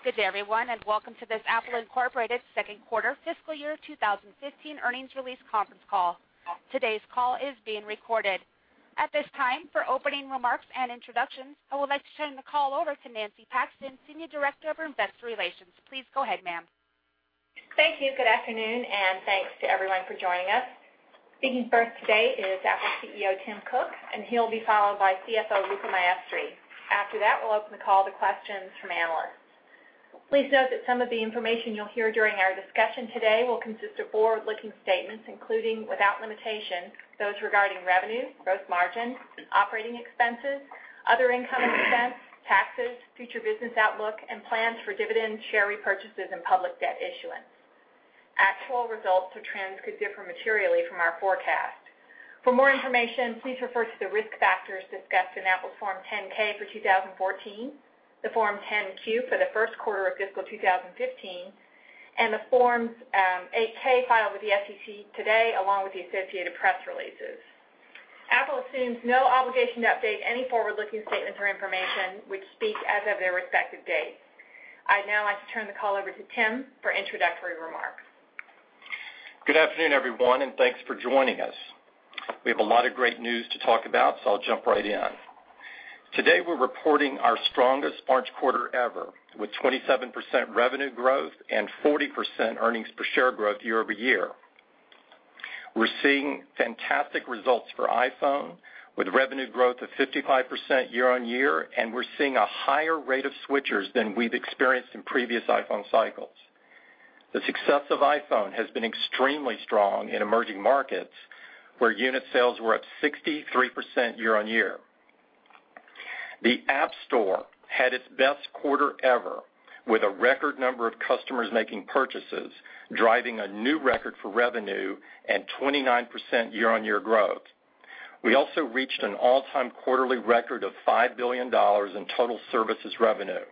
Good day, everyone, and welcome to this Apple Inc. second quarter fiscal year 2015 earnings release conference call. Today's call is being recorded. At this time, for opening remarks and introductions, I would like to turn the call over to Nancy Paxton, Senior Director of Investor Relations. Please go ahead, ma'am. Thank you. Good afternoon, thanks to everyone for joining us. Speaking first today is Apple CEO, Tim Cook. He'll be followed by CFO, Luca Maestri. After that, we'll open the call to questions from analysts. Please note that some of the information you'll hear during our discussion today will consist of forward-looking statements, including, without limitation, those regarding revenue, gross margins, operating expenses, other income and expense, taxes, future business outlook, and plans for dividends, share repurchases, and public debt issuance. Actual results or trends could differ materially from our forecast. For more information, please refer to the risk factors discussed in Apple's Form 10-K for 2014, the Form 10-Q for the first quarter of fiscal 2015, and the Form 8-K filed with the SEC today, along with the associated press releases. Apple assumes no obligation to update any forward-looking statements or information, which speak as of their respective dates. I'd now like to turn the call over to Tim for introductory remarks. Good afternoon, everyone, thanks for joining us. We have a lot of great news to talk about, I'll jump right in. Today, we're reporting our strongest March quarter ever, with 27% revenue growth and 40% earnings per share growth year-over-year. We're seeing fantastic results for iPhone, with revenue growth of 55% year-on-year. We're seeing a higher rate of switchers than we've experienced in previous iPhone cycles. The success of iPhone has been extremely strong in emerging markets, where unit sales were up 63% year-on-year. The App Store had its best quarter ever, with a record number of customers making purchases, driving a new record for revenue and 29% year-on-year growth. We also reached an all-time quarterly record of $5 billion in total services revenue.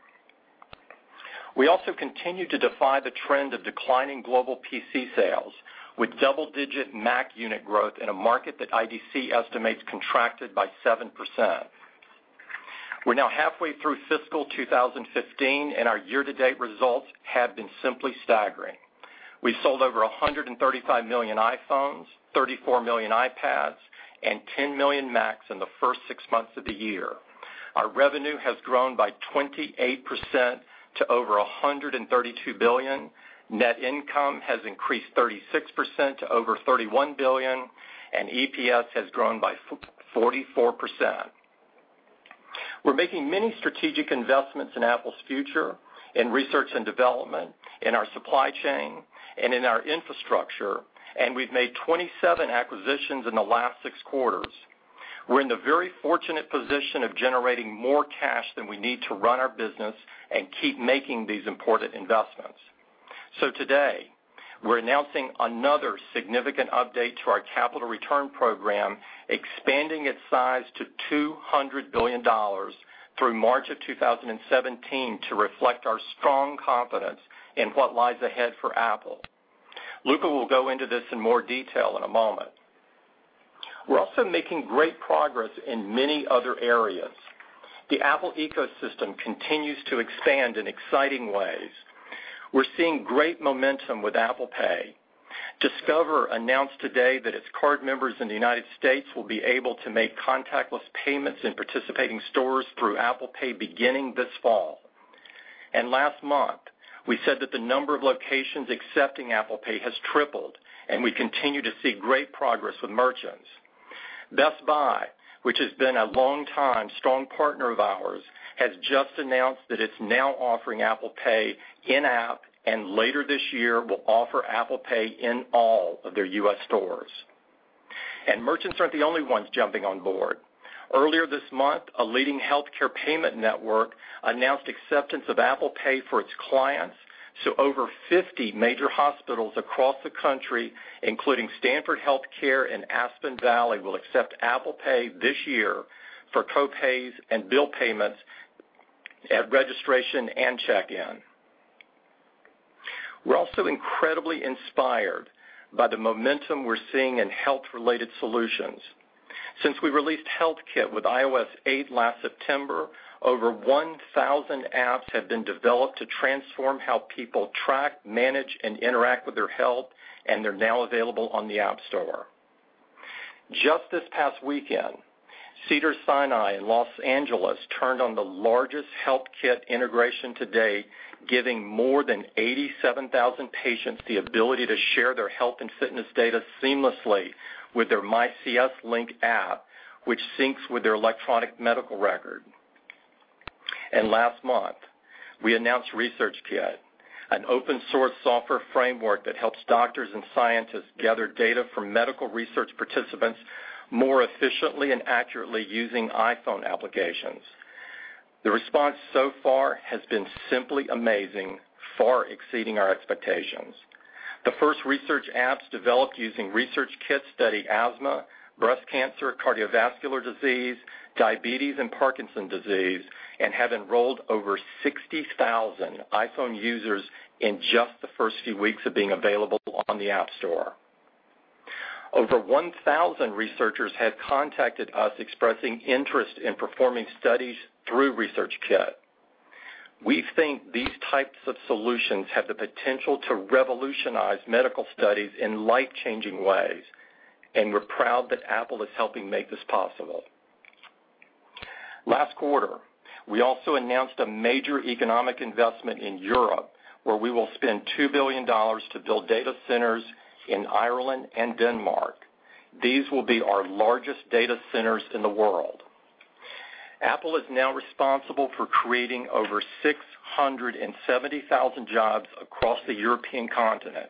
We also continue to defy the trend of declining global PC sales, with double-digit Mac unit growth in a market that IDC estimates contracted by 7%. We're now halfway through fiscal 2015, and our year-over-year results have been simply staggering. We sold over 135 million iPhones, 34 million iPads, and 10 million Macs in the first six months of the year. Our revenue has grown by 28% to over $132 billion. Net income has increased 36% to over $31 billion, and EPS has grown by 44%. We're making many strategic investments in Apple's future, in research and development, in our supply chain, and in our infrastructure, and we've made 27 acquisitions in the last six quarters. We're in the very fortunate position of generating more cash than we need to run our business and keep making these important investments. Today, we're announcing another significant update to our capital return program, expanding its size to $200 billion through March of 2017 to reflect our strong confidence in what lies ahead for Apple. Luca will go into this in more detail in a moment. We're also making great progress in many other areas. The Apple ecosystem continues to expand in exciting ways. We're seeing great momentum with Apple Pay. Discover announced today that its card members in the U.S. will be able to make contactless payments in participating stores through Apple Pay beginning this fall. Last month, we said that the number of locations accepting Apple Pay has tripled, we continue to see great progress with merchants. Best Buy, which has been a long-time strong partner of ours, has just announced that it's now offering Apple Pay in-app, and later this year will offer Apple Pay in all of their U.S. stores. Merchants aren't the only ones jumping on board. Earlier this month, a leading healthcare payment network announced acceptance of Apple Pay for its clients, so over 50 major hospitals across the country, including Stanford Health Care and Aspen Valley, will accept Apple Pay this year for co-pays and bill payments at registration and check-in. We're also incredibly inspired by the momentum we're seeing in health-related solutions. Since we released HealthKit with iOS 8 last September, over 1,000 apps have been developed to transform how people track, manage, and interact with their health, and they're now available on the App Store. Just this past weekend, Cedars-Sinai in L.A. turned on the largest HealthKit integration to date, giving more than 87,000 patients the ability to share their health and fitness data seamlessly with their My CS-Link app, which syncs with their electronic medical record. Last month, we announced ResearchKit, an open-source software framework that helps doctors and scientists gather data from medical research participants more efficiently and accurately using iPhone applications. The response so far has been simply amazing, far exceeding our expectations. The first research apps developed using ResearchKit study asthma, breast cancer, cardiovascular disease, diabetes, and Parkinson's disease and have enrolled over 60,000 iPhone users in just the first few weeks of being available on the App Store. Over 1,000 researchers have contacted us expressing interest in performing studies through ResearchKit. We think these types of solutions have the potential to revolutionize medical studies in life-changing ways, we're proud that Apple is helping make this possible. Last quarter, we also announced a major economic investment in Europe, where we will spend $2 billion to build data centers in Ireland and Denmark. These will be our largest data centers in the world. Apple is now responsible for creating over 670,000 jobs across the European continent.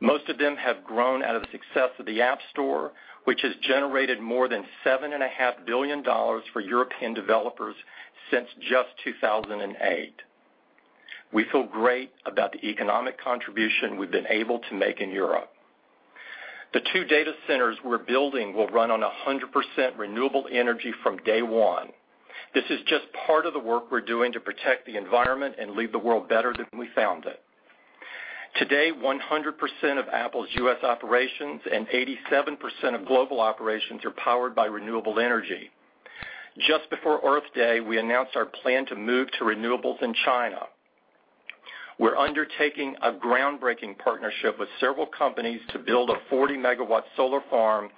Most of them have grown out of the success of the App Store, which has generated more than $7.5 billion for European developers since just 2008. We feel great about the economic contribution we've been able to make in Europe. The two data centers we're building will run on 100% renewable energy from day one. This is just part of the work we're doing to protect the environment and leave the world better than we found it. Today, 100% of Apple's U.S. operations and 87% of global operations are powered by renewable energy. Just before Earth Day, we announced our plan to move to renewables in China. We're undertaking a groundbreaking partnership with several companies to build a 40-megawatt solar farm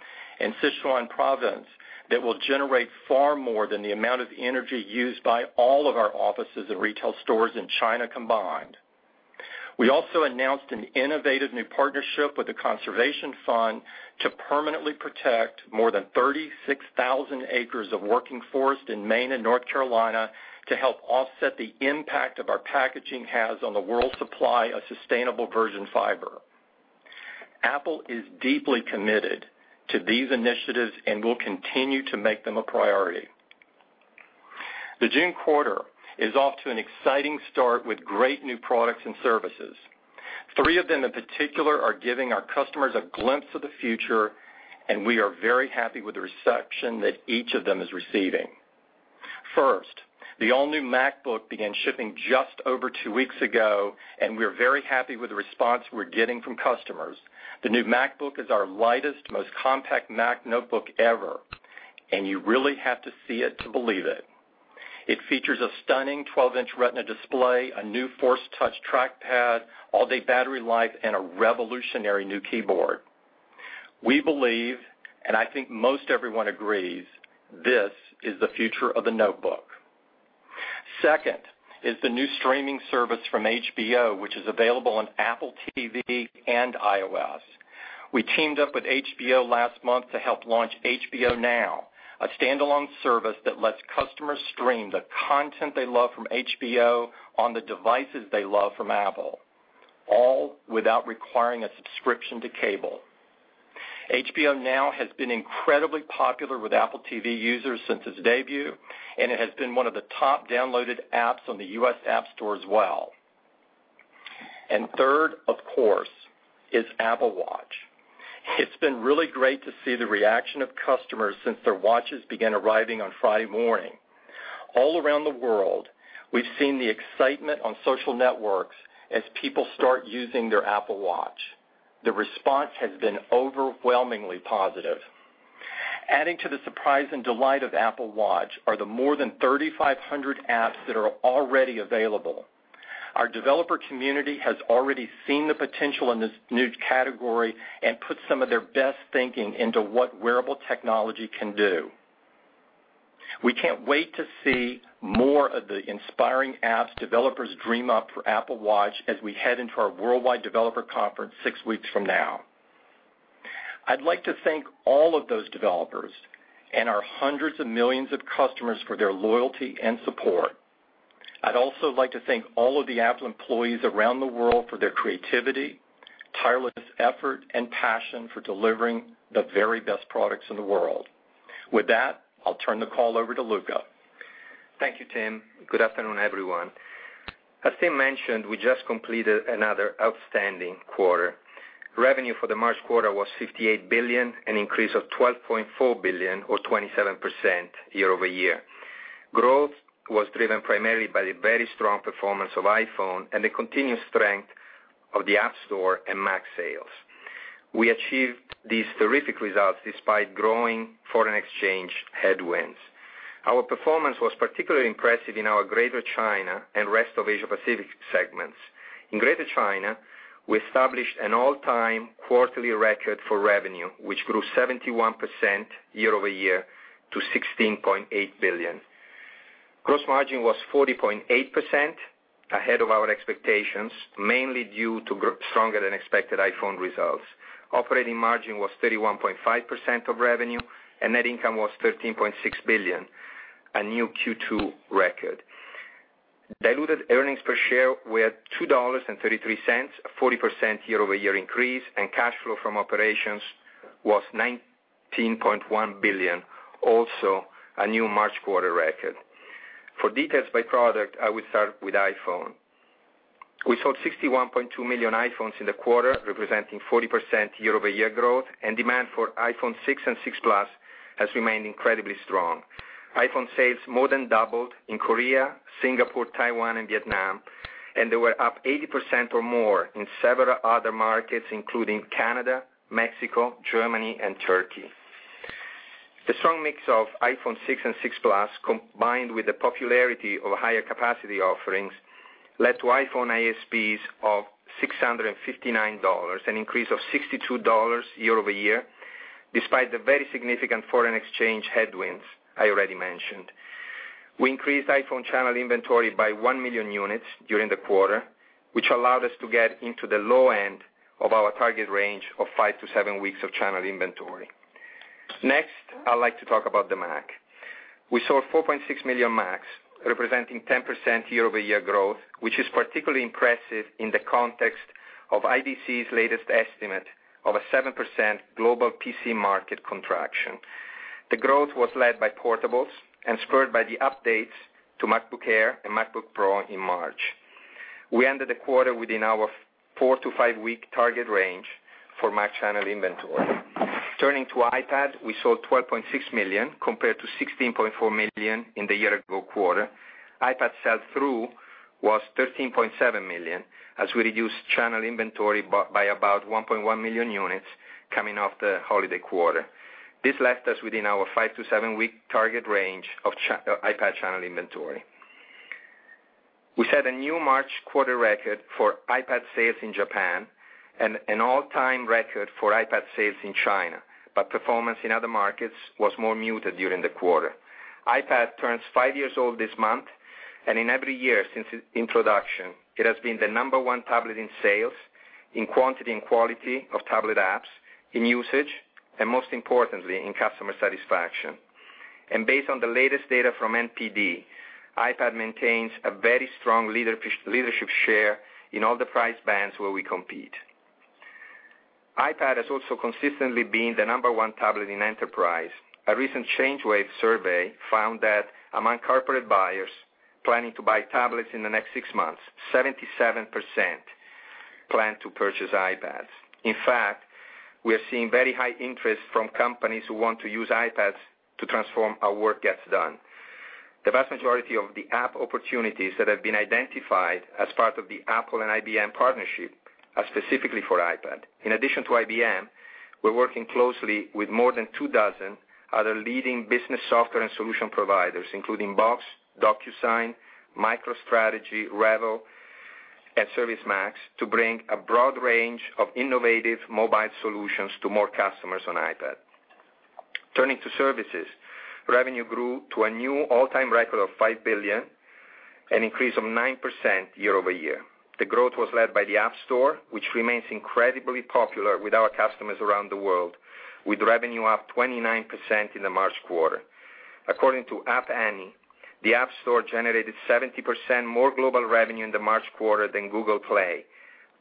in Sichuan province that will generate far more than the amount of energy used by all of our offices and retail stores in China combined. We also announced an innovative new partnership with The Conservation Fund to permanently protect more than 36,000 acres of working forest in Maine and North Carolina to help offset the impact of our packaging has on the world supply of sustainable virgin fiber. Apple is deeply committed to these initiatives and will continue to make them a priority. The June quarter is off to an exciting start with great new products and services. Three of them in particular are giving our customers a glimpse of the future, we are very happy with the reception that each of them is receiving. First, the all-new MacBook began shipping just over two weeks ago, we are very happy with the response we're getting from customers. The new MacBook is our lightest, most compact Mac notebook ever, you really have to see it to believe it. It features a stunning 12-inch Retina display, a new Force Touch trackpad, all-day battery life, a revolutionary new keyboard. We believe, I think most everyone agrees, this is the future of the notebook. Second is the new streaming service from HBO, which is available on Apple TV and iOS. We teamed up with HBO last month to help launch HBO Now, a standalone service that lets customers stream the content they love from HBO on the devices they love from Apple, all without requiring a subscription to cable. HBO Now has been incredibly popular with Apple TV users since its debut, it has been one of the top downloaded apps on the U.S. App Store as well. Third, of course, is Apple Watch. It's been really great to see the reaction of customers since their watches began arriving on Friday morning. All around the world, we've seen the excitement on social networks as people start using their Apple Watch. The response has been overwhelmingly positive. Adding to the surprise and delight of Apple Watch are the more than 3,500 apps that are already available. Our developer community has already seen the potential in this new category and put some of their best thinking into what wearable technology can do. We can't wait to see more of the inspiring apps developers dream up for Apple Watch as we head into our Worldwide Developer Conference six weeks from now. I'd like to thank all of those developers and our hundreds of millions of customers for their loyalty and support. I'd also like to thank all of the Apple employees around the world for their creativity, tireless effort, and passion for delivering the very best products in the world. With that, I'll turn the call over to Luca. Thank you, Tim. Good afternoon, everyone. As Tim mentioned, we just completed another outstanding quarter. Revenue for the March quarter was $58 billion, an increase of $12.4 billion or 27% year-over-year. Growth was driven primarily by the very strong performance of iPhone and the continued strength of the App Store and Mac sales. We achieved these terrific results despite growing foreign exchange headwinds. Our performance was particularly impressive in our Greater China and rest of Asia Pacific segments. In Greater China, we established an all-time quarterly record for revenue, which grew 71% year-over-year to $16.8 billion. Gross margin was 40.8%, ahead of our expectations, mainly due to stronger-than-expected iPhone results. Operating margin was 31.5% of revenue, and net income was $13.6 billion, a new Q2 record. Diluted earnings per share were $2.33, a 40% year-over-year increase. Cash flow from operations was $19.1 billion, also a new March quarter record. For details by product, I will start with iPhone. We sold 61.2 million iPhones in the quarter, representing 40% year-over-year growth. Demand for iPhone 6 and 6 Plus has remained incredibly strong. iPhone sales more than doubled in Korea, Singapore, Taiwan, and Vietnam. They were up 80% or more in several other markets, including Canada, Mexico, Germany, and Turkey. The strong mix of iPhone 6 and 6 Plus, combined with the popularity of higher capacity offerings, led to iPhone ASPs of $659, an increase of $62 year-over-year, despite the very significant foreign exchange headwinds I already mentioned. We increased iPhone channel inventory by 1 million units during the quarter, which allowed us to get into the low end of our target range of five to seven weeks of channel inventory. Next, I'd like to talk about the Mac. We sold 4.6 million Macs, representing 10% year-over-year growth, which is particularly impressive in the context of IDC's latest estimate of a 7% global PC market contraction. The growth was led by portables and spurred by the updates to MacBook Air and MacBook Pro in March. We ended the quarter within our four-to-five week target range for Mac channel inventory. Turning to iPad, we sold 12.6 million, compared to 16.4 million in the year-ago quarter. iPad sell-through was 13.7 million, as we reduced channel inventory by about 1.1 million units coming off the holiday quarter. This left us within our five-to-seven-week target range of iPad channel inventory. We set a new March quarter record for iPad sales in Japan and an all-time record for iPad sales in China, but performance in other markets was more muted during the quarter. iPad turns five years old this month, and in every year since its introduction, it has been the number one tablet in sales, in quantity and quality of tablet apps, in usage, and most importantly, in customer satisfaction. Based on the latest data from NPD, iPad maintains a very strong leadership share in all the price bands where we compete. iPad has also consistently been the number one tablet in enterprise. A recent ChangeWave survey found that among corporate buyers planning to buy tablets in the next six months, 77% plan to purchase iPads. In fact, we are seeing very high interest from companies who want to use iPads to transform how work gets done. The vast majority of the app opportunities that have been identified as part of the Apple and IBM partnership are specifically for iPad. In addition to IBM, we're working closely with more than two dozen other leading business software and solution providers, including Box, DocuSign, MicroStrategy, Revel, and ServiceMax, to bring a broad range of innovative mobile solutions to more customers on iPad. Turning to services, revenue grew to a new all-time record of $5 billion, an increase of 9% year-over-year. The growth was led by the App Store, which remains incredibly popular with our customers around the world, with revenue up 29% in the March quarter. According to App Annie, the App Store generated 70% more global revenue in the March quarter than Google Play,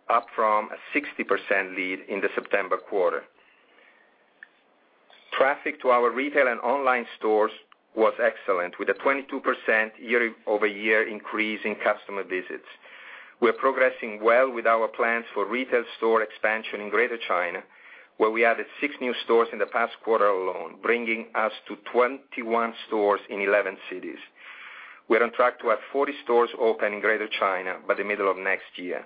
up from a 60% lead in the September quarter. Traffic to our retail and online stores was excellent, with a 22% year-over-year increase in customer visits. We're progressing well with our plans for retail store expansion in Greater China, where we added six new stores in the past quarter alone, bringing us to 21 stores in 11 cities. We're on track to have 40 stores open in Greater China by the middle of next year.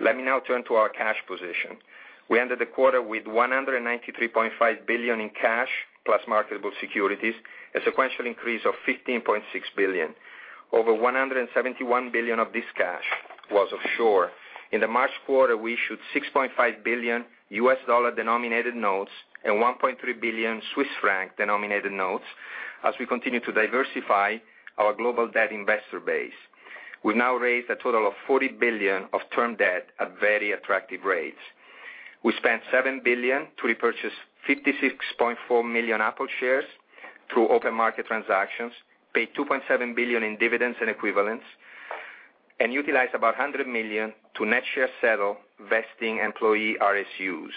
Let me now turn to our cash position. We ended the quarter with $193.5 billion in cash plus marketable securities, a sequential increase of $15.6 billion. Over $171 billion of this cash was offshore. In the March quarter, we issued $6.5 billion US dollar-denominated notes and 1.3 billion Swiss franc-denominated notes as we continue to diversify our global debt investor base. We now raise a total of $40 billion of term debt at very attractive rates. We spent $7 billion to repurchase $56.4 million Apple shares through open market transactions, paid $2.7 billion in dividends and equivalents, and utilized about $100 million to net share settle vesting employee RSUs.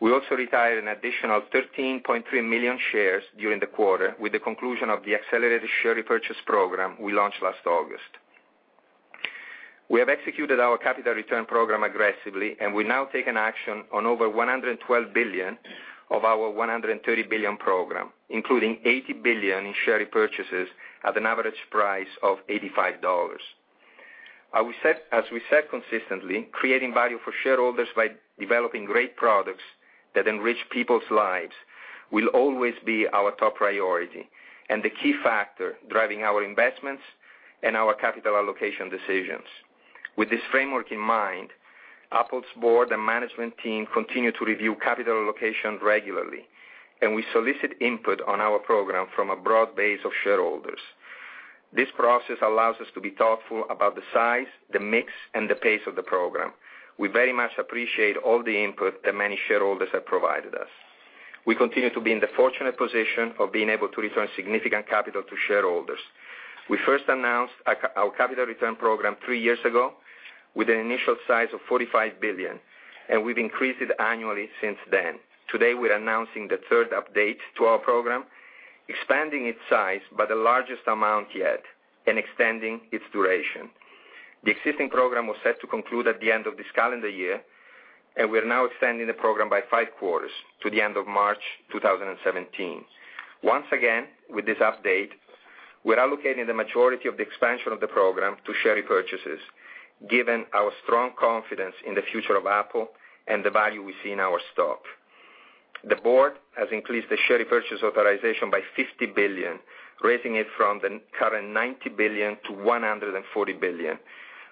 We also retired an additional 13.3 million shares during the quarter with the conclusion of the accelerated share repurchase program we launched last August. We have executed our capital return program aggressively. We've now taken action on over $112 billion of our $130 billion program, including $80 billion in share repurchases at an average price of $85. As we said consistently, creating value for shareholders by developing great products that enrich people's lives will always be our top priority and the key factor driving our investments and our capital allocation decisions. With this framework in mind, Apple's board and management team continue to review capital allocation regularly, and we solicit input on our program from a broad base of shareholders. This process allows us to be thoughtful about the size, the mix, and the pace of the program. We very much appreciate all the input that many shareholders have provided us. We continue to be in the fortunate position of being able to return significant capital to shareholders. We first announced our capital return program three years ago with an initial size of $45 billion, and we've increased it annually since then. Today, we're announcing the third update to our program, expanding its size by the largest amount yet and extending its duration. The existing program was set to conclude at the end of this calendar year. We're now extending the program by five quarters to the end of March 2017. Once again, with this update, we're allocating the majority of the expansion of the program to share repurchases, given our strong confidence in the future of Apple and the value we see in our stock. The board has increased the share repurchase authorization by $50 billion, raising it from the current $90 billion to $140 billion.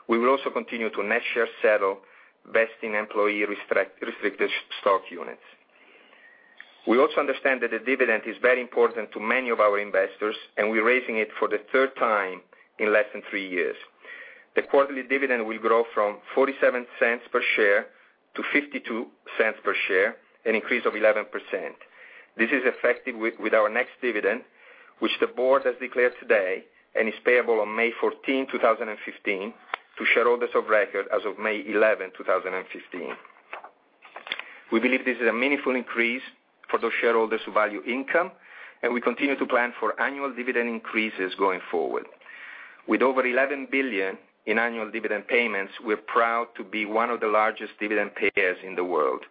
We will also continue to net share settle vesting employee restricted stock units. We also understand that the dividend is very important to many of our investors. We're raising it for the third time in less than three years. The quarterly dividend will grow from $0.47 per share to $0.52 per share, an increase of 11%. This is effective with our next dividend, which the board has declared today and is payable on May 14, 2015, to shareholders of record as of May 11, 2015. We believe this is a meaningful increase for those shareholders who value income. We continue to plan for annual dividend increases going forward. With over $11 billion in annual dividend payments, we're proud to be one of the largest dividend payers in the world.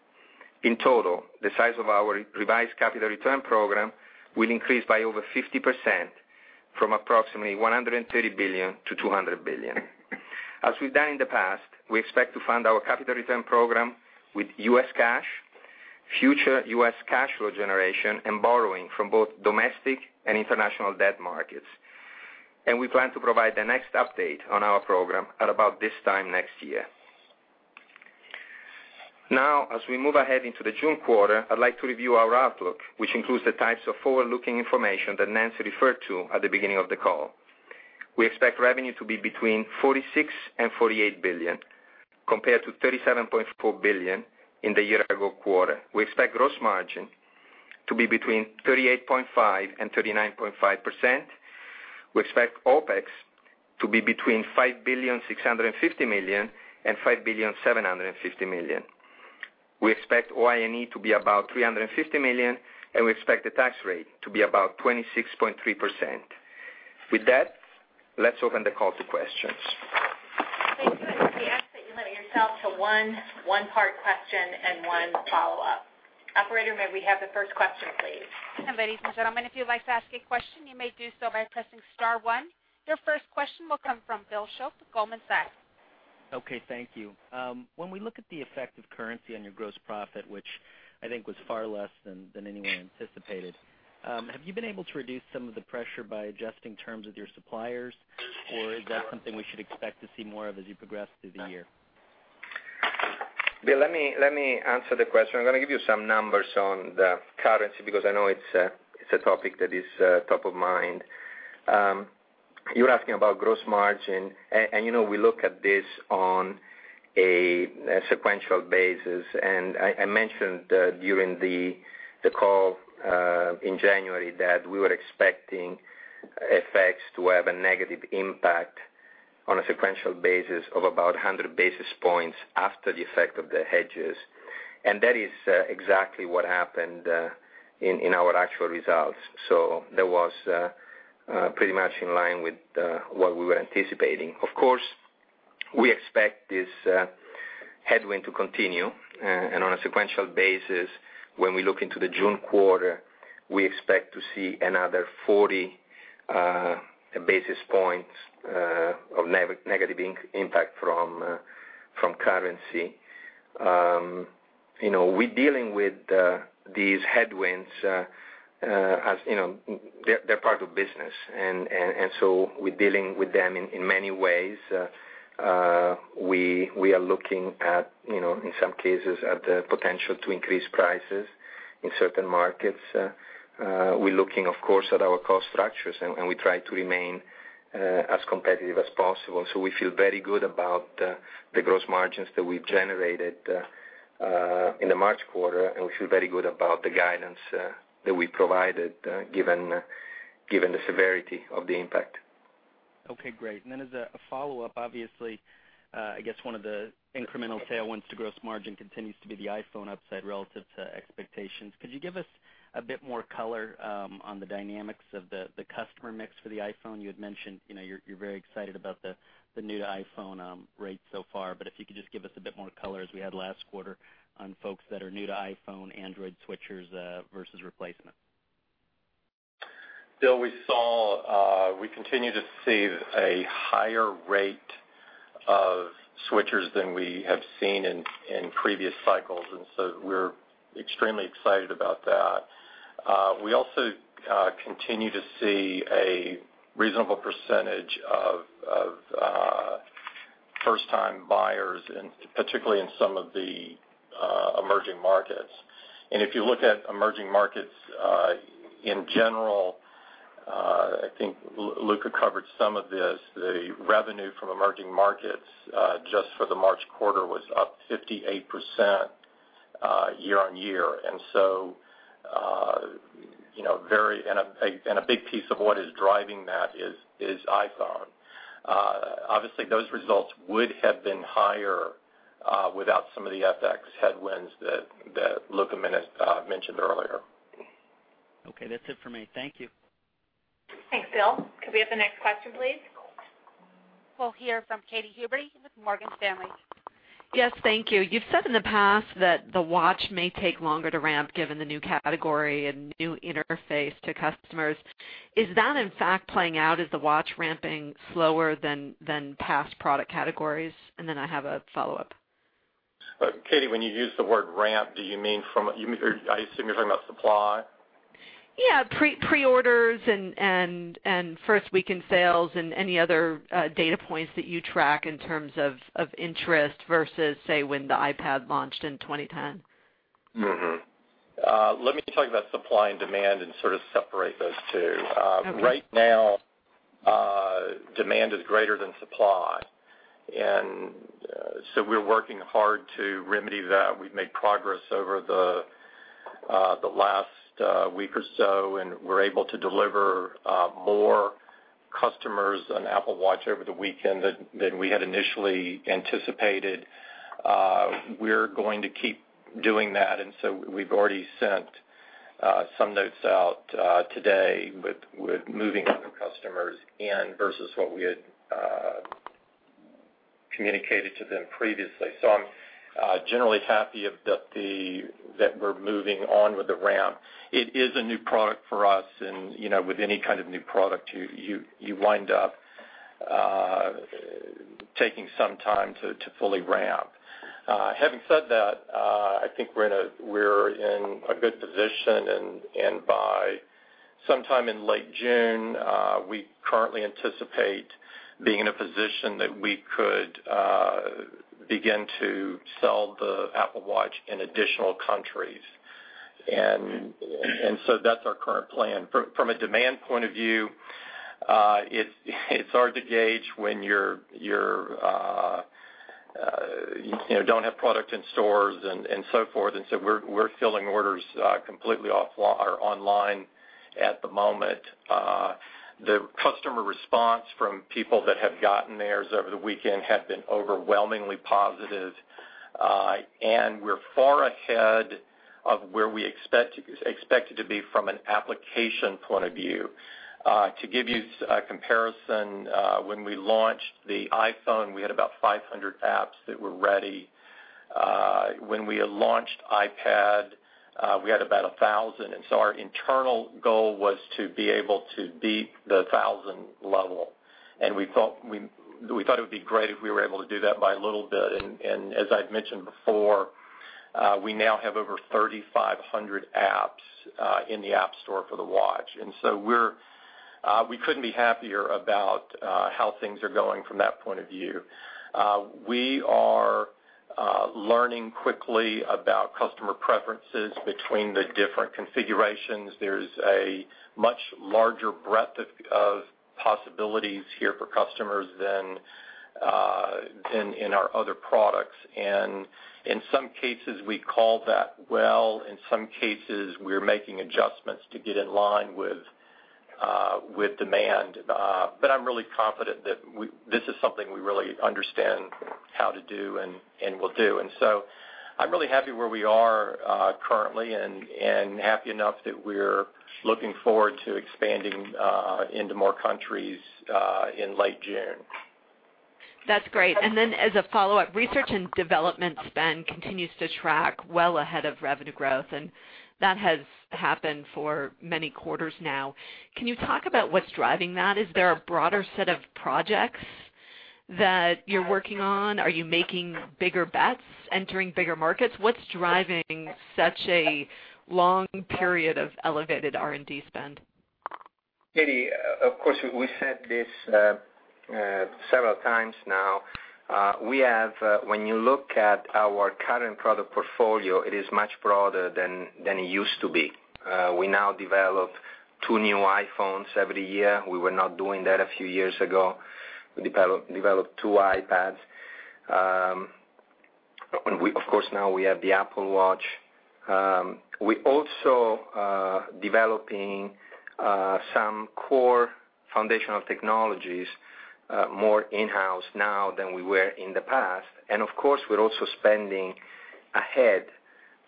In total, the size of our revised capital return program will increase by over 50%, from approximately $130 billion to $200 billion. As we've done in the past, we expect to fund our capital return program with U.S. cash, future U.S. cash flow generation, and borrowing from both domestic and international debt markets. We plan to provide the next update on our program at about this time next year. Now, as we move ahead into the June quarter, I'd like to review our outlook, which includes the types of forward-looking information that Nancy referred to at the beginning of the call. We expect revenue to be between $46 billion and $48 billion, compared to $37.4 billion in the year-ago quarter. We expect gross margin to be between 38.5% and 39.5%. We expect OPEX to be between $5.65 billion and $5.75 billion. We expect OIE to be about $350 million. We expect the tax rate to be about 26.3%. With that, let's open the call to questions. Thank you. We ask that you limit yourself to one-part question and one follow-up. Operator, may we have the first question, please? Ladies and gentlemen, if you'd like to ask a question, you may do so by pressing star one. Your first question will come from Bill Shope, Goldman Sachs. Okay, thank you. When we look at the effect of currency on your gross profit, which I think was far less than anyone anticipated, have you been able to reduce some of the pressure by adjusting terms with your suppliers? Is that something we should expect to see more of as you progress through the year? Bill, let me answer the question. I'm going to give you some numbers on the currency, because I know it's a topic that is top of mind. You're asking about gross margin, we look at this on a sequential basis. I mentioned during the call in January that we were expecting FX to have a negative impact on a sequential basis of about 100 basis points after the effect of the hedges. That is exactly what happened in our actual results. That was pretty much in line with what we were anticipating. Of course, we expect this headwind to continue, on a sequential basis, when we look into the June quarter, we expect to see another 40 basis points of negative impact from currency. We're dealing with these headwinds as they're part of business, we're dealing with them in many ways. We are looking at, in some cases, at the potential to increase prices in certain markets. We're looking, of course, at our cost structures, and we try to remain as competitive as possible. We feel very good about the gross margins that we've generated in the March quarter, and we feel very good about the guidance that we've provided given the severity of the impact. Okay, great. As a follow-up, obviously, I guess one of the incremental tailwinds to gross margin continues to be the iPhone upside relative to expectations. Could you give us a bit more color on the dynamics of the customer mix for the iPhone? You had mentioned you're very excited about the new-to-iPhone rate so far, but if you could just give us a bit more color as we had last quarter on folks that are new to iPhone, Android switchers versus replacement. Bill, we continue to see a higher rate of switchers than we have seen in previous cycles, we're extremely excited about that. We also continue to see a reasonable percentage of first-time buyers, particularly in some of the emerging markets. If you look at emerging markets in general, I think Luca covered some of this, the revenue from emerging markets just for the March quarter was up 58% year-on-year. A big piece of what is driving that is iPhone. Obviously, those results would have been higher without some of the FX headwinds that Luca mentioned earlier. Okay, that's it for me. Thank you. Thanks, Bill. Could we have the next question, please? We'll hear from Katy Huberty with Morgan Stanley. Yes. Thank you. You've said in the past that the watch may take longer to ramp, given the new category and new interface to customers. Is that in fact playing out? Is the watch ramping slower than past product categories? I have a follow-up. Katy, when you use the word ramp, are you speaking about supply? Yeah, pre-orders and first week in sales and any other data points that you track in terms of interest versus, say, when the iPad launched in 2010. Let me talk about supply and demand and sort of separate those two. Okay. Right now, demand is greater than supply. We're working hard to remedy that. We've made progress over the last week or so, and we're able to deliver more customers an Apple Watch over the weekend than we had initially anticipated. We're going to keep doing that. We've already sent some notes out today with moving other customers in versus what we had communicated to them previously. I'm generally happy that we're moving on with the ramp. It is a new product for us and with any kind of new product, you wind up taking some time to fully ramp. Having said that, I think we're in a good position and by sometime in late June, we currently anticipate being in a position that we could begin to sell the Apple Watch in additional countries. That's our current plan. From a demand point of view, it's hard to gauge when you don't have product in stores and so forth. We're filling orders completely online at the moment. The customer response from people that have gotten theirs over the weekend has been overwhelmingly positive, and we're far ahead of where we expected to be from an application point of view. To give you a comparison, when we launched the iPhone, we had about 500 apps that were ready. When we launched iPad, we had about 1,000. Our internal goal was to be able to beat the 1,000 level, and we thought it would be great if we were able to do that by a little bit. As I've mentioned before, we now have over 3,500 apps in the App Store for the watch. We couldn't be happier about how things are going from that point of view. We are learning quickly about customer preferences between the different configurations. There's a much larger breadth of possibilities here for customers than in our other products. In some cases, we call that well. In some cases, we're making adjustments to get in line with demand. I'm really confident that this is something we really understand how to do and will do. I'm really happy where we are currently and happy enough that we're looking forward to expanding into more countries in late June. That's great. As a follow-up, R&D spend continues to track well ahead of revenue growth, and that has happened for many quarters now. Can you talk about what's driving that? Is there a broader set of projects that you're working on? Are you making bigger bets, entering bigger markets? What's driving such a long period of elevated R&D spend? Katy, of course, we said this several times now. When you look at our current product portfolio, it is much broader than it used to be. We now develop two new iPhones every year. We were not doing that a few years ago. We developed two iPads. Of course, now we have the Apple Watch. We're also developing some core foundational technologies more in-house now than we were in the past. Of course, we're also spending ahead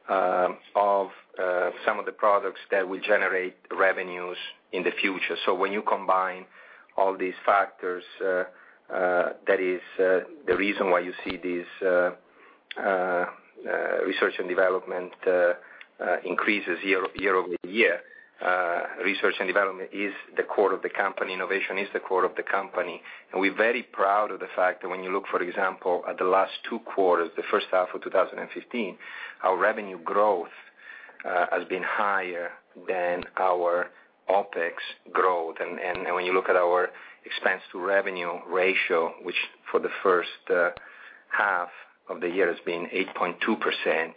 of some of the products that will generate revenues in the future. When you combine all these factors, that is the reason why you see these R&D increases year-over-year. R&D is the core of the company. Innovation is the core of the company, and we're very proud of the fact that when you look, for example, at the last two quarters, the first half of 2015, our revenue growth has been higher than our OpEx growth. When you look at our expense to revenue ratio, which for the first half of the year has been 8.2%,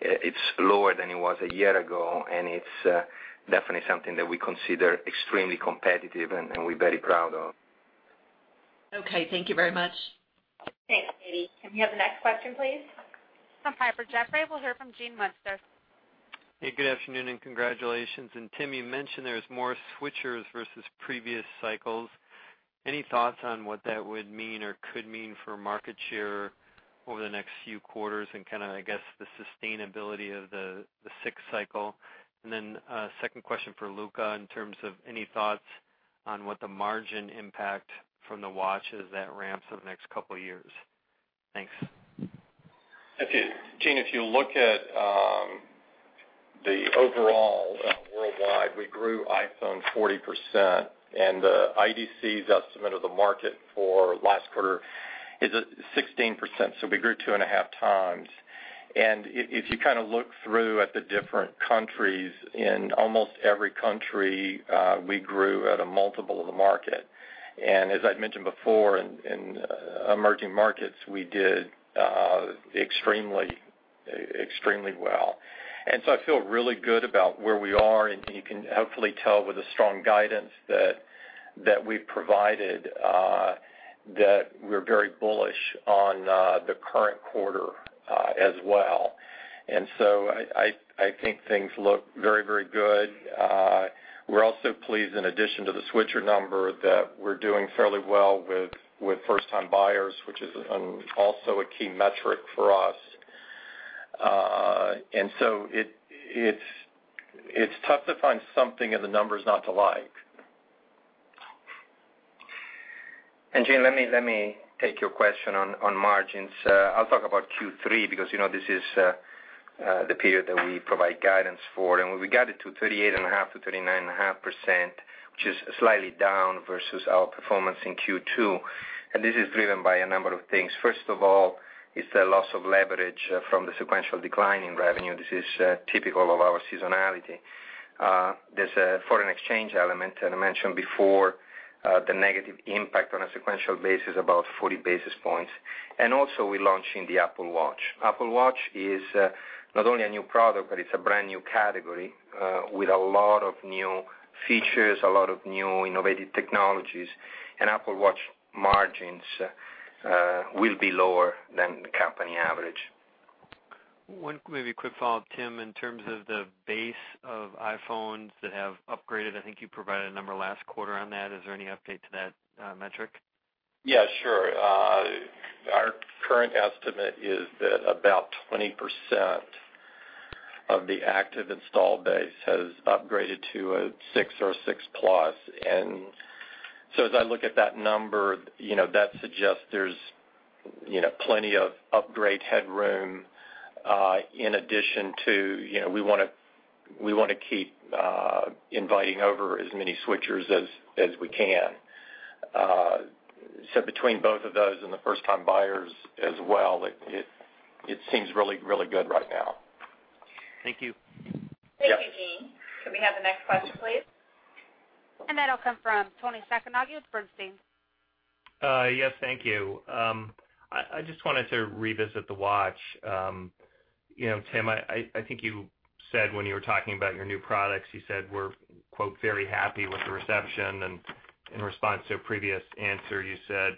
it's lower than it was a year ago, and it's definitely something that we consider extremely competitive and we're very proud of. Okay. Thank you very much. Thanks, Katy. Can we have the next question, please? From Piper Jaffray, we'll hear from Gene Munster. Hey, good afternoon and congratulations. Tim, you mentioned there's more switchers versus previous cycles. Any thoughts on what that would mean or could mean for market share over the next few quarters and, I guess, the sustainability of the 6 cycle? Second question for Luca, in terms of any thoughts on what the margin impact from the Apple Watch is that ramps over the next couple of years? Thanks. Gene, if you look at the overall worldwide, we grew iPhone 40%, and the IDC's estimate of the market for last quarter is 16%, so we grew two and a half times. If you look through at the different countries, in almost every country, we grew at a multiple of the market. As I'd mentioned before, in emerging markets, we did extremely well. I feel really good about where we are, and you can hopefully tell with the strong guidance that we've provided that we're very bullish on the current quarter as well. I think things look very good. We're also pleased, in addition to the switcher number, that we're doing fairly well with first-time buyers, which is also a key metric for us. It's tough to find something in the numbers not to like. Gene, let me take your question on margins. I'll talk about Q3 because this is the period that we provide guidance for. We guided to 38.5%-39.5%, which is slightly down versus our performance in Q2, and this is driven by a number of things. First of all, it's the loss of leverage from the sequential decline in revenue. This is typical of our seasonality. There's a foreign exchange element, and I mentioned before, the negative impact on a sequential basis, about 40 basis points. Also, we're launching the Apple Watch. Apple Watch is not only a new product, but it's a brand-new category with a lot of new features, a lot of new innovative technologies, and Apple Watch margins will be lower than the company average. One maybe quick follow-up, Tim, in terms of the base of iPhones that have upgraded, I think you provided a number last quarter on that. Is there any update to that metric? Yeah, sure. Our current estimate is that about 20% of the active install base has upgraded to a 6 or a 6 Plus. As I look at that number, that suggests there's plenty of upgrade headroom in addition to we want to keep inviting over as many switchers as we can. Between both of those and the first-time buyers as well, it seems really good right now. Thank you. Yeah. Thank you, Gene. Can we have the next question, please? That'll come from Toni Sacconaghi with Bernstein. Yes, thank you. I just wanted to revisit the watch. Tim, I think you said when you were talking about your new products, you said we're, quote, "very happy with the reception," and in response to a previous answer, you said,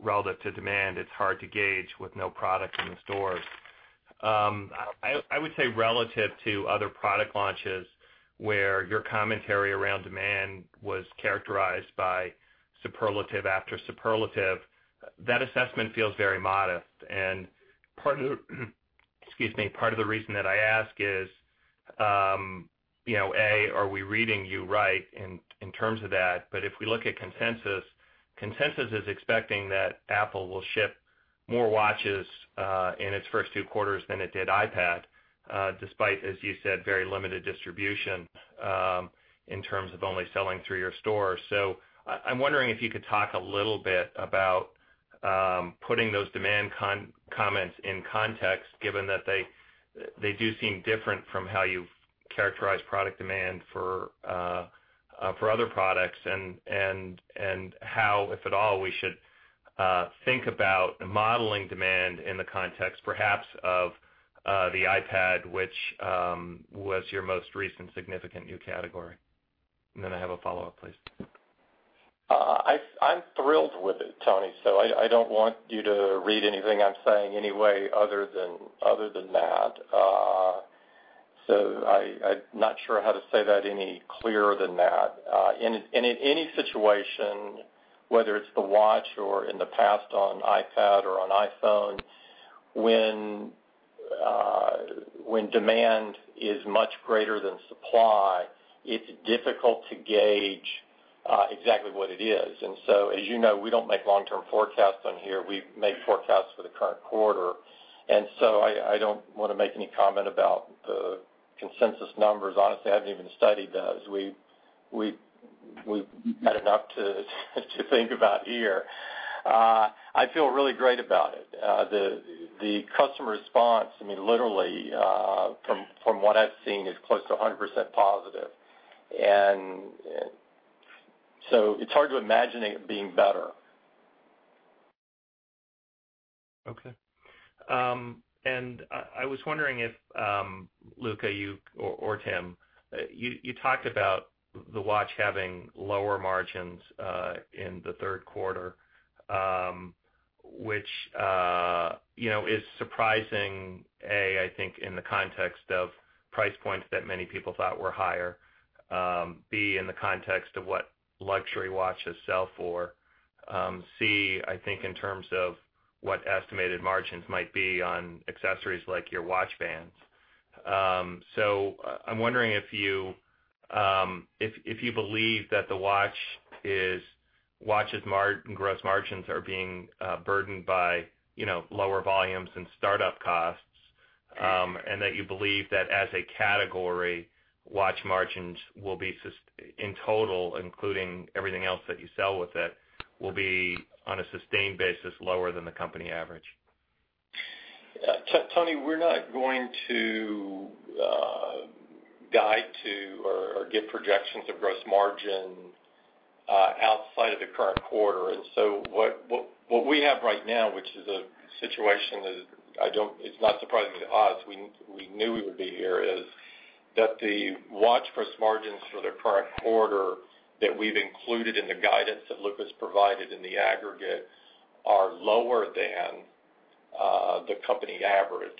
relative to demand, it's hard to gauge with no product in the stores. I would say relative to other product launches where your commentary around demand was characterized by superlative after superlative, that assessment feels very modest. Part of the reason that I ask is, A, are we reading you right in terms of that? If we look at consensus is expecting that Apple will ship more watches in its first two quarters than it did iPad despite, as you said, very limited distribution in terms of only selling through your stores. I'm wondering if you could talk a little bit about putting those demand comments in context, given that they do seem different from how you've characterized product demand for other products and how, if at all, we should think about modeling demand in the context, perhaps of the iPad, which was your most recent significant new category. I have a follow-up, please. I'm thrilled with it, Toni, I don't want you to read anything I'm saying any way other than that. I'm not sure how to say that any clearer than that. In any situation, whether it's the Watch or in the past on iPad or on iPhone, when demand is much greater than supply, it's difficult to gauge exactly what it is. As you know, we don't make long-term forecasts on here. We make forecasts for the current quarter. I don't want to make any comment about the consensus numbers. Honestly, I haven't even studied those. We've had enough to think about here. I feel really great about it. The customer response, literally, from what I've seen, is close to 100% positive. It's hard to imagine it being better. Okay. I was wondering if, Luca, you or Tim, you talked about the Watch having lower margins in the third quarter. Which is surprising, A, I think in the context of price points that many people thought were higher. B, in the context of what luxury watches sell for. C, I think in terms of what estimated margins might be on accessories like your watch bands. I'm wondering if you believe that the Watch's gross margins are being burdened by lower volumes and startup costs, and that you believe that as a category, Watch margins will be, in total, including everything else that you sell with it, will be on a sustained basis lower than the company average. Toni, we're not going to guide to or give projections of gross margin outside of the current quarter. What we have right now, which is a situation that it's not surprising to us, we knew we would be here, is that the Watch gross margins for the current quarter that we've included in the guidance that Luca's provided in the aggregate are lower than the company average.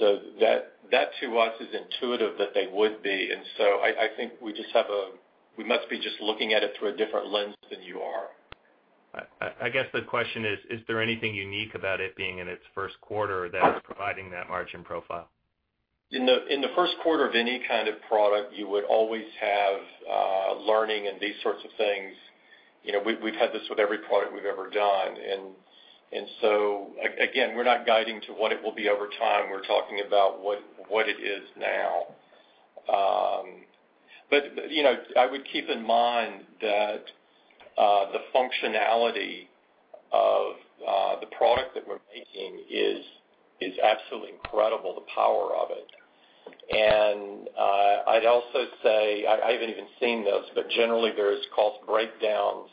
That to us is intuitive that they would be, I think we must be just looking at it through a different lens than you are. I guess the question is there anything unique about it being in its first quarter that is providing that margin profile? In the first quarter of any kind of product, you would always have learning and these sorts of things. We've had this with every product we've ever done. Again, we're not guiding to what it will be over time. We're talking about what it is now. I would keep in mind that the functionality of the product that we're making is absolutely incredible, the power of it. I'd also say, I haven't even seen this, but generally there's cost breakdowns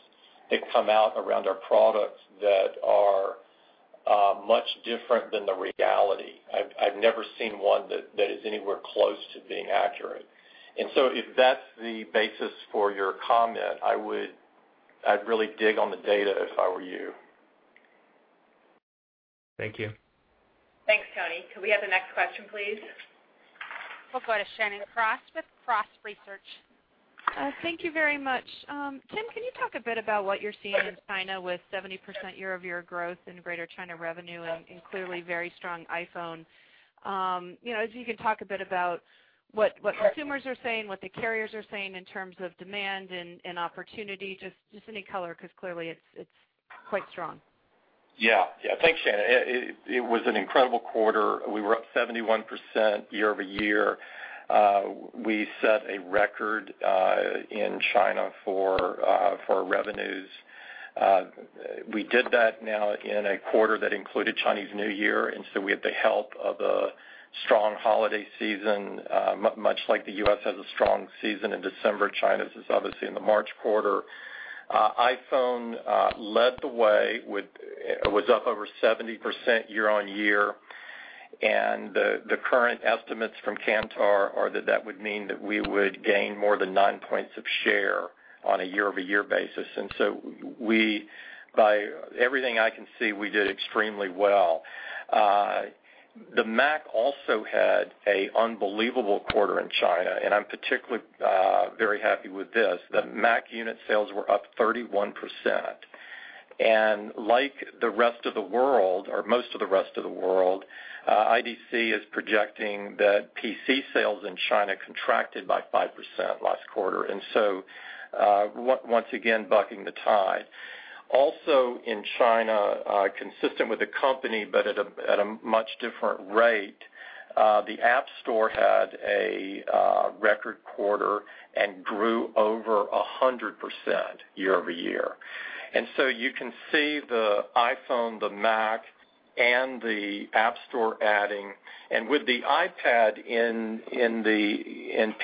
that come out around our products that are much different than the reality. I've never seen one that is anywhere close to being accurate. If that's the basis for your comment, I'd really dig on the data if I were you. Thank you. Thanks, Toni. Could we have the next question, please? We'll go to Shannon Cross with Cross Research. Thank you very much. Tim, can you talk a bit about what you're seeing in China with 70% year-over-year growth in Greater China revenue and clearly very strong iPhone? If you can talk a bit about what consumers are saying, what the carriers are saying in terms of demand and opportunity, just any color, because clearly it's quite strong. Thanks, Shannon. It was an incredible quarter. We were up 71% year-over-year. We set a record in China for our revenues. We did that now in a quarter that included Chinese New Year, so we had the help of a strong holiday season. Much like the U.S. has a strong season in December, China's is obviously in the March quarter. iPhone led the way with, it was up over 70% year-on-year. The current estimates from Kantar are that would mean that we would gain more than nine points of share on a year-over-year basis. By everything I can see, we did extremely well. The Mac also had an unbelievable quarter in China. I'm particularly very happy with this. The Mac unit sales were up 31%. Like the rest of the world, or most of the rest of the world, IDC is projecting that PC sales in China contracted by 5% last quarter. Once again, bucking the tide. Also in China, consistent with the company but at a much different rate, the App Store had a record quarter and grew over 100% year-over-year. You can see the iPhone, the Mac, and the App Store adding, and with the iPad in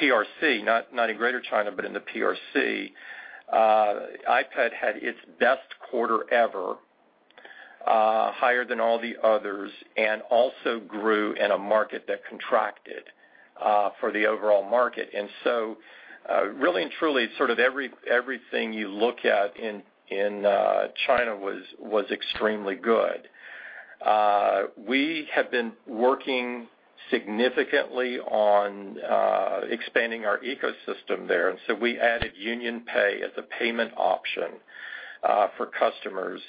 PRC, not in Greater China, but in the PRC, iPad had its best quarter ever, higher than all the others, and also grew in a market that contracted for the overall market. Really and truly, sort of everything you look at in China was extremely good. We have been working significantly on expanding our ecosystem there, we added UnionPay as a payment option for customers.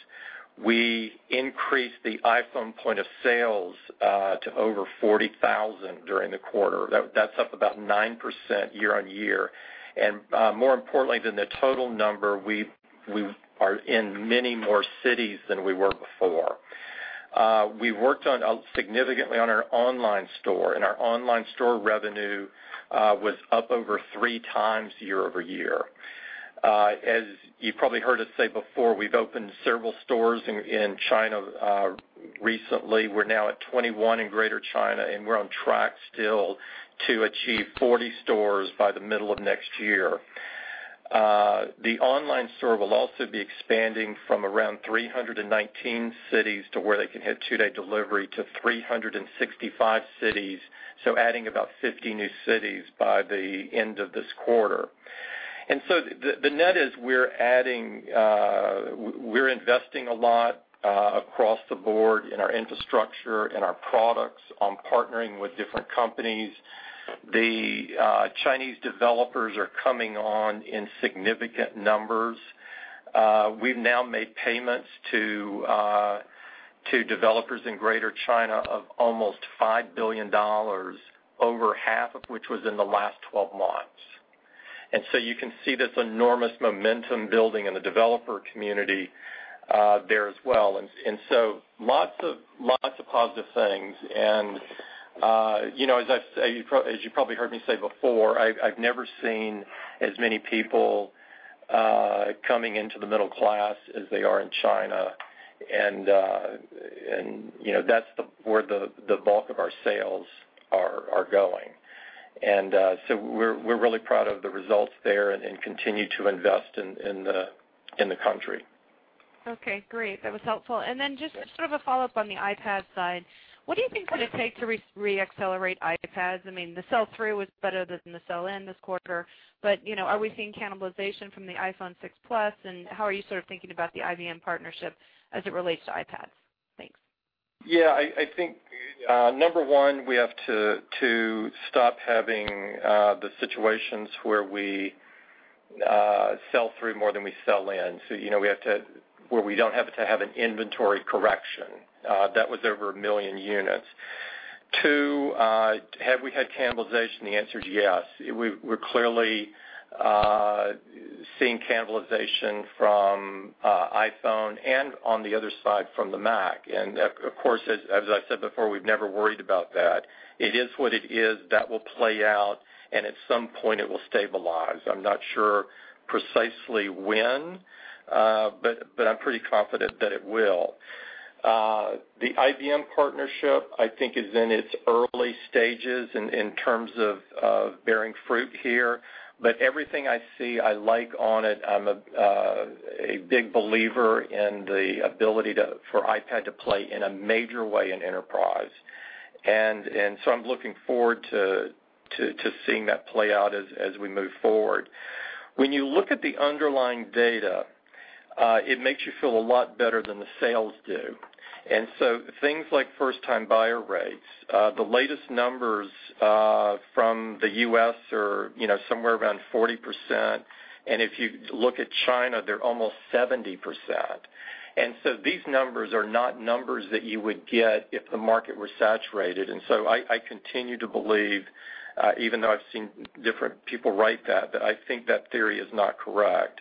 We increased the iPhone point of sales to over 40,000 during the quarter. That's up about 9% year-on-year. More importantly than the total number, we are in many more cities than we were before. We worked significantly on our online store, and our online store revenue was up over three times year-over-year. As you probably heard us say before, we've opened several stores in China recently. We're now at 21 in Greater China, and we're on track still to achieve 40 stores by the middle of next year. The online store will also be expanding from around 319 cities to where they can hit two-day delivery to 365 cities, so adding about 50 new cities by the end of this quarter. The net is we're investing a lot across the board in our infrastructure and our products on partnering with different companies. The Chinese developers are coming on in significant numbers. We've now made payments to developers in Greater China of almost $5 billion, over half of which was in the last 12 months. You can see this enormous momentum building in the developer community there as well. Lots of positive things. As you probably heard me say before, I've never seen as many people coming into the middle class as they are in China. That's where the bulk of our sales are going. We're really proud of the results there and continue to invest in the country. Okay, great. That was helpful. Just sort of a follow-up on the iPad side. What do you think is going to take to re-accelerate iPads? I mean, the sell-through was better than the sell-in this quarter, but are we seeing cannibalization from the iPhone 6 Plus? How are you sort of thinking about the IBM partnership as it relates to iPads? Thanks. Yeah, I think, number one, we have to stop having the situations where we sell through more than we sell in. So where we don't have to have an inventory correction. That was over 1 million units. Two, have we had cannibalization? The answer is yes. We're clearly seeing cannibalization from iPhone and on the other side from the Mac. Of course, as I said before, we've never worried about that. It is what it is. That will play out, and at some point it will stabilize. I'm not sure precisely when, but I'm pretty confident that it will. The IBM partnership, I think is in its early stages in terms of bearing fruit here, but everything I see, I like on it. I'm a big believer in the ability for iPad to play in a major way in enterprise. I'm looking forward to seeing that play out as we move forward. When you look at the underlying data, it makes you feel a lot better than the sales do. Things like first-time buyer rates, the latest numbers from the U.S. are somewhere around 40%. If you look at China, they're almost 70%. These numbers are not numbers that you would get if the market were saturated. I continue to believe, even though I've seen different people write that I think that theory is not correct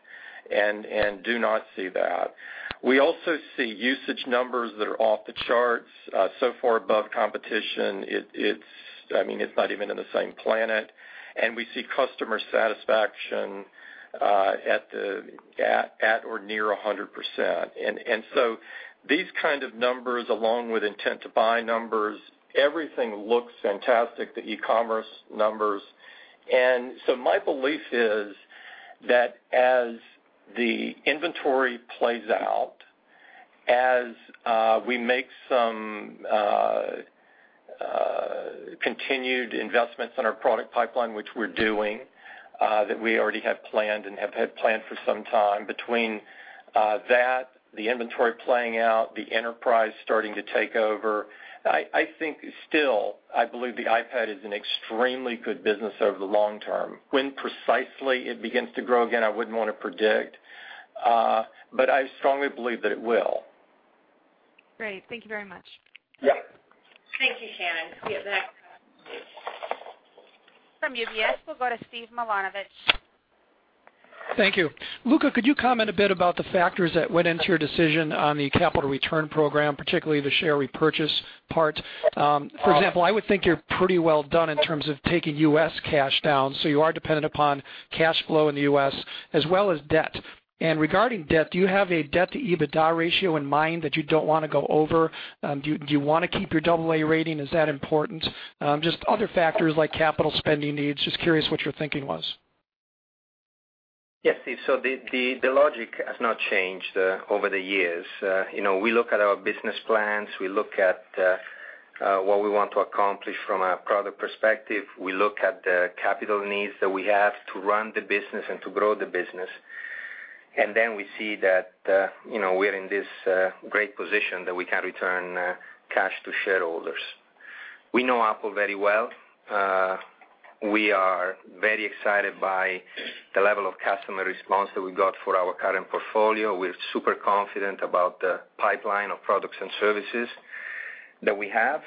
and do not see that. We also see usage numbers that are off the charts, so far above competition, it's not even in the same planet. We see customer satisfaction at or near 100%. These kind of numbers, along with intent to buy numbers, everything looks fantastic, the e-commerce numbers. My belief is that as the inventory plays out, as we make some continued investments in our product pipeline, which we're doing, that we already have planned and have had planned for some time between that, the inventory playing out, the enterprise starting to take over, I think still, I believe the iPad is an extremely good business over the long term. When precisely it begins to grow again, I wouldn't want to predict, but I strongly believe that it will. Great. Thank you very much. Yeah. Thank you, Shannon. We have the next, from UBS, we'll go to Steve Milunovich. Thank you. Luca, could you comment a bit about the factors that went into your decision on the capital return program, particularly the share repurchase part? For example, I would think you're pretty well done in terms of taking U.S. cash down, so you are dependent upon cash flow in the U.S. as well as debt. Regarding debt, do you have a debt-to-EBITDA ratio in mind that you don't want to go over? Do you want to keep your double-A rating? Is that important? Just other factors like capital spending needs. Just curious what your thinking was. Yes, Steve. The logic has not changed over the years. We look at our business plans. We look at what we want to accomplish from a product perspective. We look at the capital needs that we have to run the business and to grow the business. Then we see that we're in this great position that we can return cash to shareholders. We know Apple very well. We are very excited by the level of customer response that we got for our current portfolio. We're super confident about the pipeline of products and services that we have.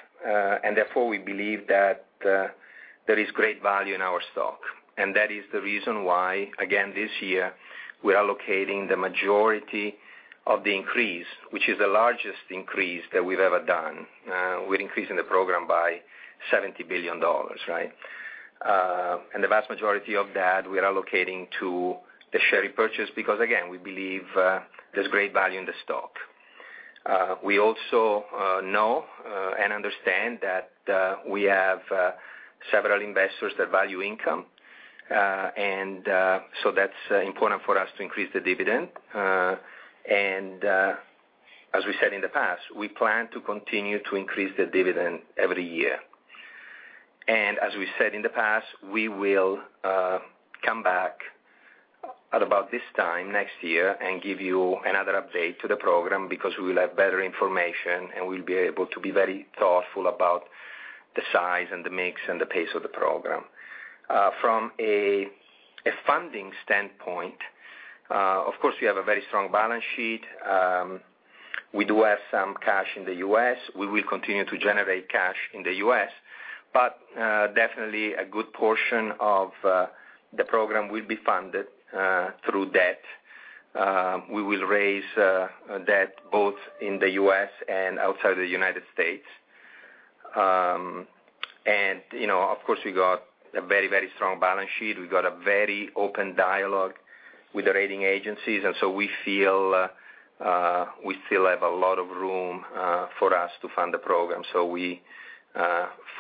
Therefore, we believe that there is great value in our stock. That is the reason why, again, this year, we are allocating the majority of the increase, which is the largest increase that we've ever done. We're increasing the program by $70 billion. The vast majority of that we are allocating to the share repurchase because again, we believe there's great value in the stock. We also know and understand that we have several investors that value income. That's important for us to increase the dividend. As we said in the past, we plan to continue to increase the dividend every year. As we said in the past, we will come back at about this time next year and give you another update to the program because we will have better information, and we'll be able to be very thoughtful about the size and the mix and the pace of the program. From a funding standpoint, of course, we have a very strong balance sheet. We do have some cash in the U.S. We will continue to generate cash in the U.S., but definitely a good portion of the program will be funded through debt. We will raise debt both in the U.S. and outside the United States. Of course, we got a very strong balance sheet. We got a very open dialogue with the rating agencies, and we feel we still have a lot of room for us to fund the program.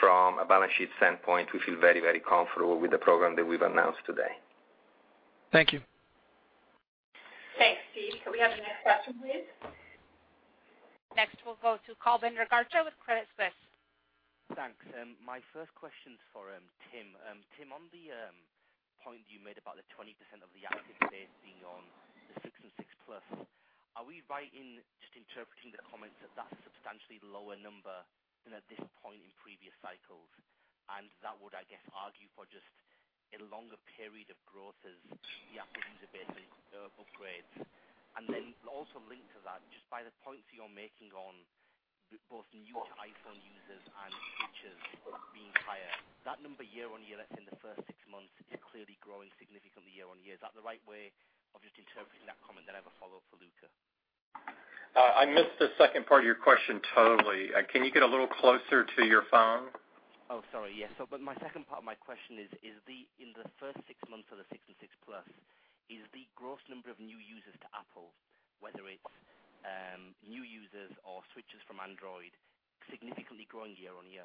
From a balance sheet standpoint, we feel very comfortable with the program that we've announced today. Thank you. Thanks, Steve. Could we have the next question, please? Next, we'll go to Kulbinder Garcha with Credit Suisse. Thanks. My first question's for Tim. Tim, on the point you made about the 20% of the active base being on the 6 and 6 Plus, are we right in just interpreting the comments that's a substantially lower number than at this point in previous cycles, and that would, I guess, argue for just a longer period of growth as the active user base upgrades? Also linked to that, just by the points you're making on both new iPhone users and switchers being higher, that number year-on-year, that's in the first six months, is clearly growing significantly year-on-year. Is that the right way of just interpreting that comment? Then I have a follow-up for Luca. I missed the second part of your question totally. Can you get a little closer to your phone? Oh, sorry, yes. My second part of my question is, in the first six months of the iPhone 6 and iPhone 6 Plus, is the gross number of new users to Apple, whether it's new users or switchers from Android, significantly growing year-over-year?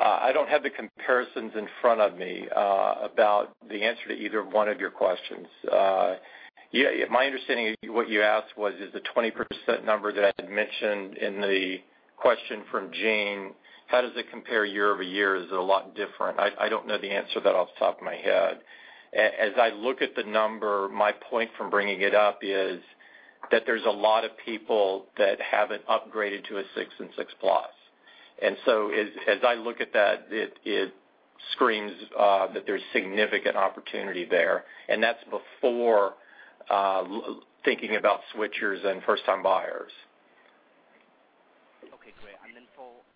I don't have the comparisons in front of me about the answer to either one of your questions. My understanding of what you asked was, is the 20% number that I had mentioned in the question from Gene, how does it compare year-over-year? Is it a lot different? I don't know the answer to that off the top of my head. As I look at the number, my point from bringing it up is that there's a lot of people that haven't upgraded to an iPhone 6 and iPhone 6 Plus. As I look at that, it screams that there's significant opportunity there, and that's before thinking about switchers and first-time buyers. Okay, great.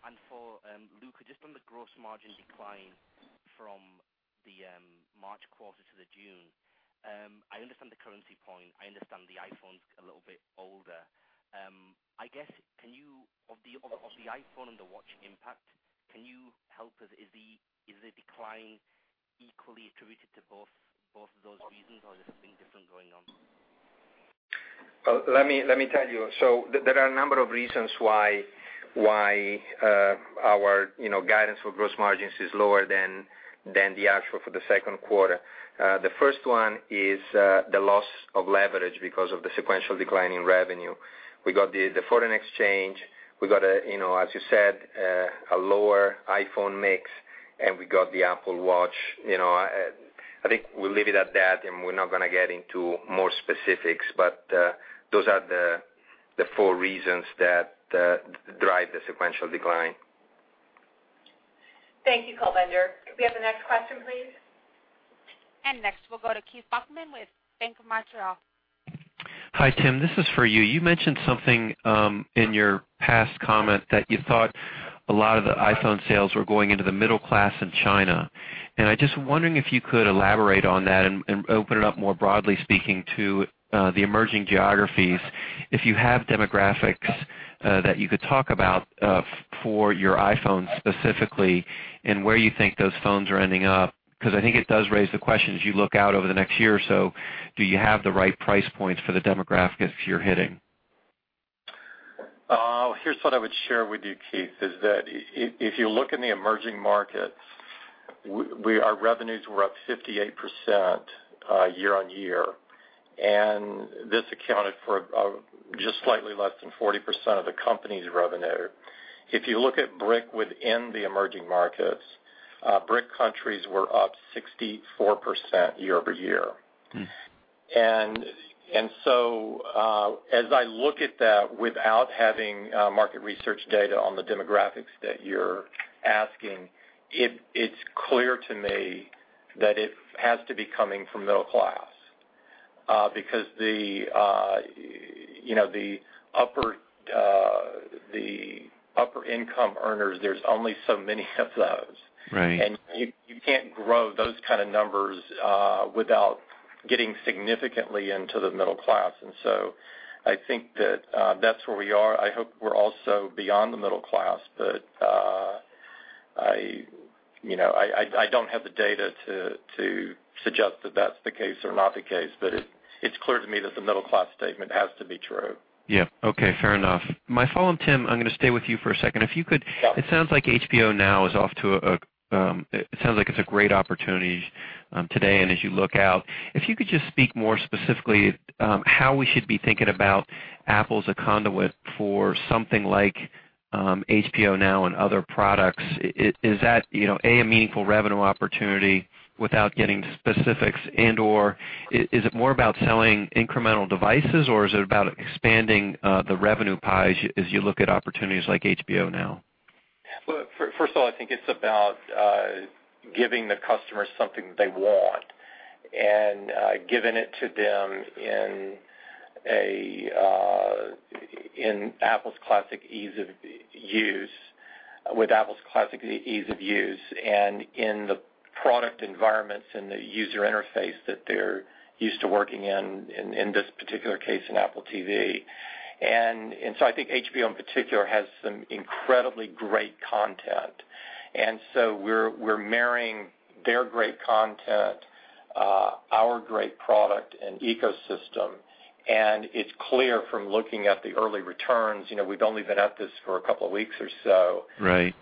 Then for Luca, just on the gross margin decline from the March quarter to the June, I understand the currency point. I understand the iPhone's a little bit older. I guess, of the iPhone and the Apple Watch impact, can you help us, is the decline equally attributed to both of those reasons, or is there something different going on? Let me tell you. There are a number of reasons why our guidance for gross margins is lower than the actual for the second quarter. The first one is the loss of leverage because of the sequential decline in revenue. We got the foreign exchange. We got, as you said, a lower iPhone mix, and we got the Apple Watch. I think we'll leave it at that, and we're not going to get into more specifics, but those are the four reasons that drive the sequential decline. Thank you, Kulbinder. Could we have the next question, please? Next, we'll go to Keith Bachman with BMO Capital Markets. Hi, Tim. This is for you. You mentioned something in your past comment that you thought a lot of the iPhone sales were going into the middle class in China. I'm just wondering if you could elaborate on that and open it up more broadly speaking to the emerging geographies, if you have demographics that you could talk about for your iPhone specifically and where you think those phones are ending up, because I think it does raise the question, as you look out over the next year or so, do you have the right price points for the demographic that you're hitting? Here's what I would share with you, Keith, is that if you look in the emerging markets, our revenues were up 58% year-over-year, and this accounted for just slightly less than 40% of the company's revenue. If you look at BRIC within the emerging markets, BRIC countries were up 64% year-over-year. As I look at that without having market research data on the demographics that you're asking, it's clear to me that it has to be coming from middle class. The upper income earners, there's only so many of those. Right. You can't grow those kind of numbers without getting significantly into the middle class. I think that that's where we are. I hope we're also beyond the middle class, but I don't have the data to suggest that that's the case or not the case. It's clear to me that the middle-class statement has to be true. Yeah. Okay, fair enough. My follow-on, Tim, I'm going to stay with you for a second. Yeah. It sounds like HBO Now, it sounds like it's a great opportunity today and as you look out. If you could just speak more specifically how we should be thinking about Apple as a conduit for something like HBO Now and other products, is that, A, a meaningful revenue opportunity without getting to specifics, and/or is it more about selling incremental devices, or is it about expanding the revenue pie as you look at opportunities like HBO Now? Well, first of all, I think it's about giving the customers something they want and giving it to them with Apple's classic ease of use, and in the product environments and the user interface that they're used to working in this particular case, in Apple TV. I think HBO in particular has some incredibly great content. We're marrying their great content, our great product, and ecosystem. It's clear from looking at the early returns, we've only been at this for a couple of weeks or so. Right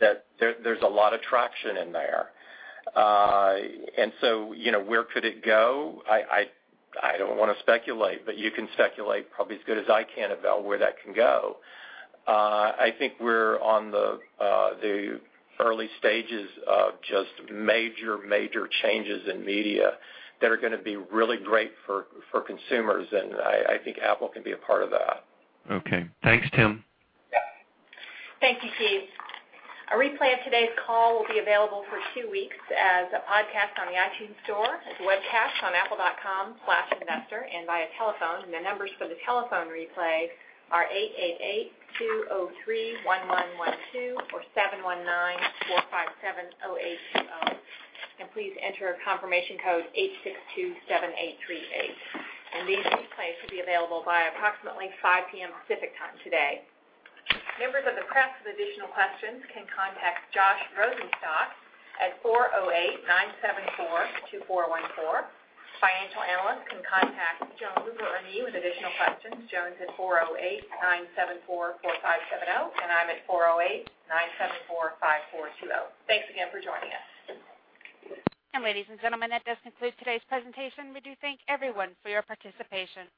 That there's a lot of traction in there. Where could it go? I don't want to speculate, but you can speculate probably as good as I can about where that can go. I think we're on the early stages of just major changes in media that are going to be really great for consumers, and I think Apple can be a part of that. Okay. Thanks, Tim. Yeah. Thank you, Steve. A replay of today's call will be available for two weeks as a podcast on the iTunes Store, as a webcast on apple.com/investor, and via telephone. The numbers for the telephone replay are 888-203-1112 or 719-457-0820. Please enter confirmation code 8627838. These replays should be available by approximately 5:00 P.M. Pacific Time today. Members of the press with additional questions can contact Josh Rosenstock at 408-974-2414. Financial analysts can contact Joan Lubar or me with additional questions. Joan's at 408-974-4570, and I'm at 408-974-5420. Thanks again for joining us. Ladies and gentlemen, that does conclude today's presentation. We do thank everyone for your participation.